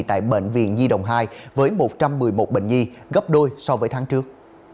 tại bệnh viện nhi đồng hai với một trăm một mươi một bệnh nhi gấp đôi so với tháng trước